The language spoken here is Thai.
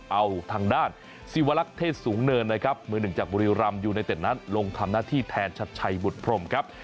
เอาทางด้านสิวลักษณ์เทศสูงเนินนะครับมือหนึ่งจากบุรีรำยูไนเต็ดนั้นลงทำหน้าที่แทนชัดชัยบุตรพรมครับ